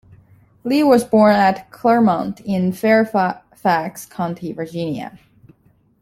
Lee was born at Clermont in Fairfax County, Virginia.